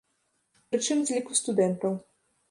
Прычым, з ліку студэнтаў.